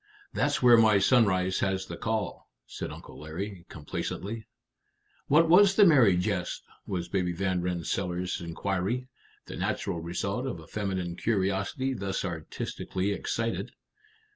"That's where my sunrise has the call," said Uncle Larry, complacently. "What was the merry jest?" was Baby Van Rensselaer's inquiry, the natural result of a feminine curiosity thus artistically excited.